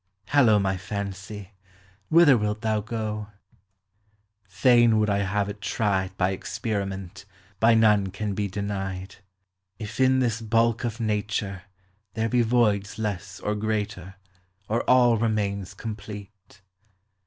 Hallo, my fancy, whither wilt thou go ? 8 POEMS OF FAXCY. Fain would I have it tried By experiment, By none can be denied ! If in this bulk of nature, There be voids less or greater, Or all remains complete.